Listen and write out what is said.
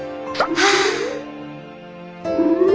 はあ。